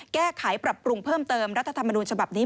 แก้ไขปรับปรุงเพิ่มเติมรัฐธรรมนูญฉบับนี้